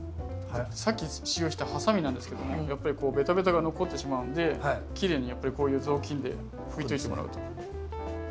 さっき使用したハサミなんですけどもやっぱりベタベタが残ってしまうんできれいにこういう雑巾で拭いといてもらうと。